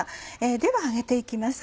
では揚げて行きます。